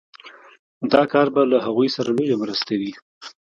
دا کار به له هغوی سره لويه مرسته وي